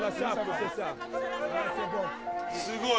すごい。